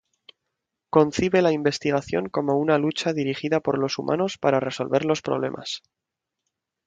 Concibe la investigación como una lucha dirigida por los humanos para resolver los problemas.